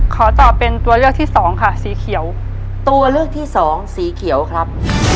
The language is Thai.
ขอตอบเป็นตัวเลือกที่สองค่ะสีเขียวตัวเลือกที่สองสีเขียวครับ